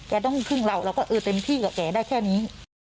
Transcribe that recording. ต้องพึ่งเราเราก็เออเต็มที่กับแกได้แค่นี้